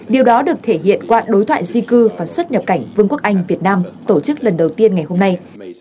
điều đó được thể hiện qua đối thoại di cư và xuất nhập cảnh vương quốc anh việt nam tổ chức lần đầu tiên ngày hôm nay